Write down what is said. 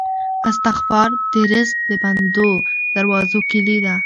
استغفار د رزق د بندو دروازو کیلي ده.